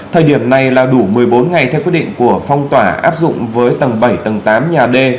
thời điểm này là đủ một mươi bốn ngày theo quyết định của phong tỏa áp dụng với tầng bảy tầng tám nhà d